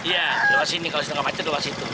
iya lewat sini kalau tidak macet lewat situ